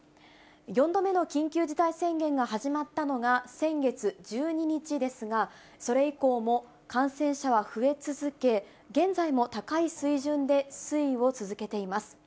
４度目の緊急事態宣言が始まったのが先月１２日ですが、それ以降も感染者は増え続け、現在も高い水準で推移を続けています。